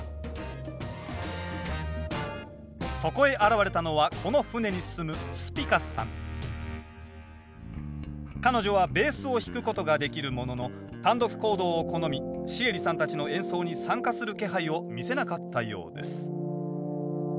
そこへ現れたのはこの船に住む彼女はベースを弾くことができるものの単独行動を好みシエリさんたちの演奏に参加する気配を見せなかったようです